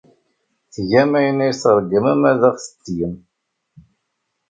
Tgam ayen ay tṛeggmem ad aɣ-t-tgem.